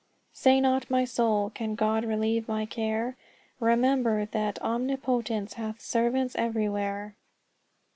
"Say not my soul, 'Can God relieve my care?' Remember that Omnipotence hath servants everywhere!"